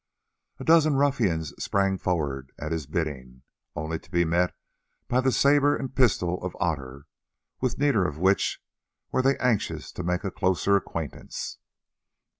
A dozen ruffians sprang forward at his bidding, only to be met by the sabre and pistol of Otter, with neither of which were they anxious to make a closer acquaintance.